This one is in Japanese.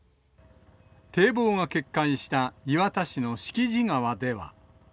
堤防が決壊した磐田市の敷地川では。